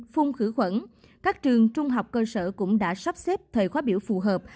phun khử khuẩn các trường trung học cơ sở cũng đã sắp xếp thời khóa biểu phù hợp